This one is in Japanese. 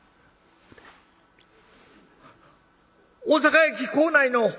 大阪駅構内の」。